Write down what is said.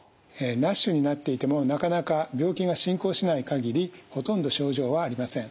ＮＡＳＨになっていてもなかなか病気が進行しない限りほとんど症状はありません。